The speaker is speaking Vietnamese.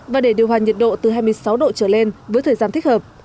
và để điều hòa nhiệt độ từ hai mươi sáu độ trở lên với thời gian thích hợp